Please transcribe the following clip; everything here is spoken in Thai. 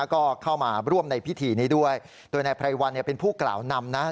ก็เข้ามาร่วมในพิธีนี้ด้วยโดยนายไพรวัลเนี่ยเป็นผู้กล่าวนำนะ